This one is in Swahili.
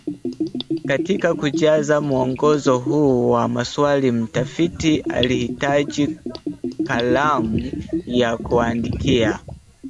Katika kujaza mwongozo huu wa maswali mtafiti alihitaji kalamu ya kuandikia